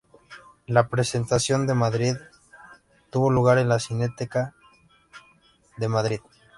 La presentación en Madrid tuvo lugar en la Cineteca de Madrid.